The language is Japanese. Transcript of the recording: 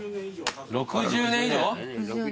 ６０年以上？